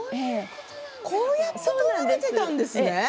こうやって撮られていたんですね。